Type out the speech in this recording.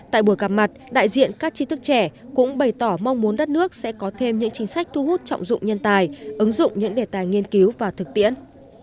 tại buổi gặp mặt đại diện các tri thức trẻ cũng bày tỏ mong muốn đất nước sẽ có thêm những chính sách thu hút trọng dụng nhân tài ứng dụng những đề tài nghiên cứu và thực tiễn